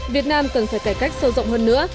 việt nam cần phải cải cách sâu rộng hơn nữa